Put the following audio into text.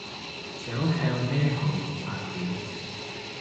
想向咩行業發展